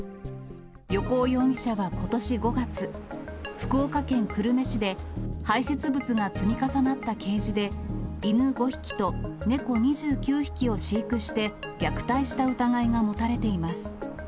横尾容疑者はことし５月、福岡県久留米市で排せつ物が積み重なったケージで、犬５匹と猫２９匹を飼育して虐待した疑いが持たれています。